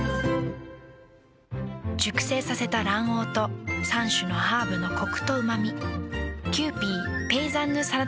熟成させた卵黄と３種のハーブのコクとうま味。